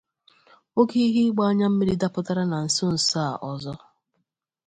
Oke ihe ịgba anyammiri dapụtara na nsonso a ọzọ